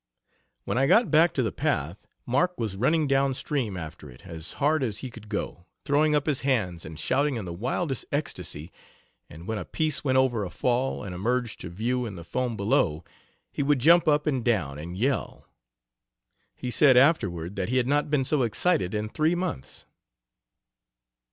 "When I got back to the path Mark was running down stream after it as hard as he could go, throwing up his hands and shouting in the wildest ecstasy, and when a piece went over a fall and emerged to view in the foam below he would jump up and down and yell. He said afterward that he had not been so excited in three months."